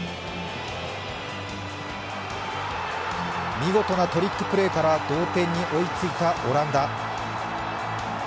見事なトリックプレーから同点に追いついたオランダ。